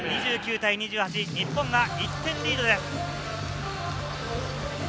２９対２８、日本が１点リードです。